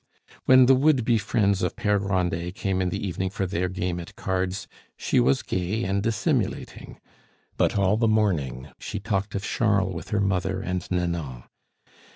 When the would be friends of Pere Grandet came in the evening for their game at cards, she was gay and dissimulating; but all the morning she talked of Charles with her mother and Nanon.